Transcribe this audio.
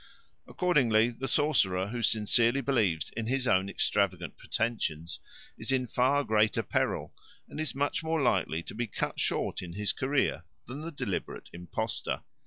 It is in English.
Accordingly the sorcerer who sincerely believes in his own extravagant pretensions is in far greater peril and is much more likely to be cut short in his career than the deliberate impostor.